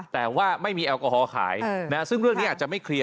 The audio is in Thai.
แต่ว่าไม่มีแอลกอฮอลขายซึ่งเรื่องนี้อาจจะไม่เคลียร์